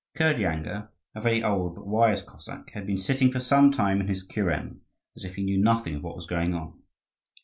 Kirdyanga, a very old but wise Cossack, had been sitting for some time in his kuren, as if he knew nothing of what was going on.